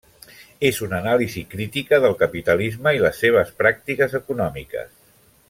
És una anàlisi crítica del capitalisme i les seves pràctiques econòmiques.